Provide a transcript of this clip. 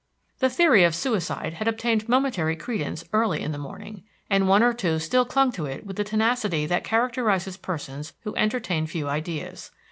The theory of suicide had obtained momentary credence early in the morning, and one or two still clung to it with the tenacity that characterizes persons who entertain few ideas.